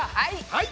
はい。